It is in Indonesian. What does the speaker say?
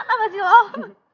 sama si loh